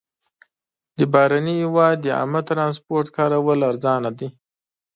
د بهرني هېواد د عامه ترانسپورټ کارول ارزانه دي.